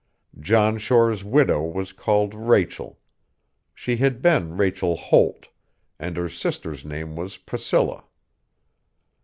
John Shore's widow was called Rachel. She had been Rachel Holt; and her sister's name was Priscilla.